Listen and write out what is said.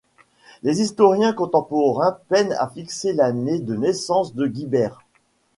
Les historiens contemporains peinent à fixer l'année de naissance de Guibert.